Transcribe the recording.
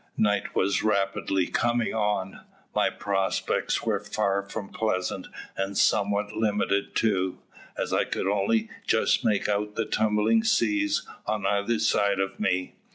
Night was rapidly coming on, my prospects were far from pleasant, and somewhat limited too, as I could only just make out the tumbling seas on either side of me.